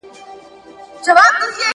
نه به سور وي په محفل کي نه مطرب نه به غزل وي